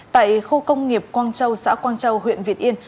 tại khu công nghiệp quang châu xã quang châu huyện việt yên